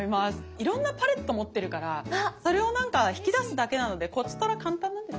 いろんなパレット持ってるからそれをなんか引き出すだけなのでこちとら簡単なんです。